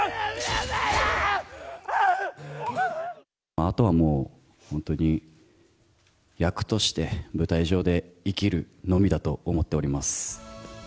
あとはもう、本当に、役として舞台上で生きるのみだと思っております。